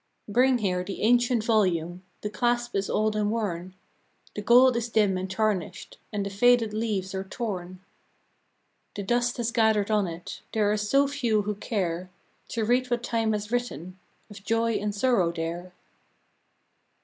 Bring here the ancient volume; The clasp is old and worn, The gold is dim and tarnished, And the faded leaves are torn The dust has gathered on it, — There are so few who care To read what Time has written Of joy and sorrow there.